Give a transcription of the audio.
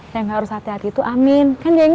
yang harus hati hati itu amin